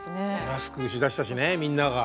マスクしだしたしねみんなが。